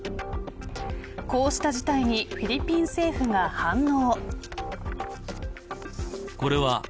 こうした事態にフィリピン政府が反応。